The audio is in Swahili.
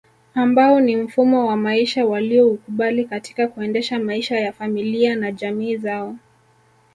Ambao ni mfumo wa maisha walioukubali katika kuendesha maisha ya familia na jamii zao